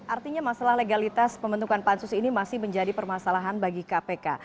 artinya masalah legalitas pembentukan pansus ini masih menjadi permasalahan bagi kpk